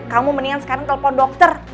kamu mendingan sekarang telepon dokter